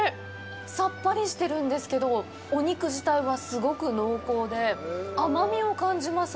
さっぱりしてるんですけどお肉自体はすごく濃厚で甘みを感じます。